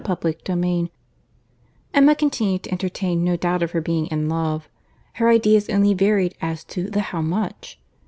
CHAPTER XIII Emma continued to entertain no doubt of her being in love. Her ideas only varied as to the how much.